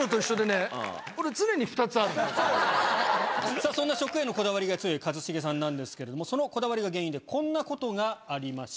さぁそんな食へのこだわりが強い一茂さんなんですけれどもそのこだわりが原因でこんなことがありました。